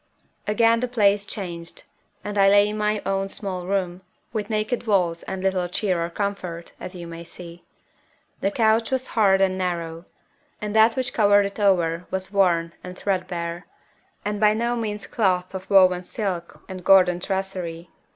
Again the place changed, and I lay in my own small room, with naked walls and little cheer or comfort, as you may see. The couch was hard and narrow, and that which covered it over was worn and threadbare, and by no means cloth of woven silk and golden tracery.